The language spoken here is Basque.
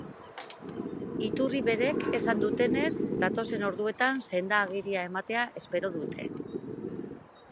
Iturri berek esan dutenez, datozen orduetan senda-agiria ematea espero dute.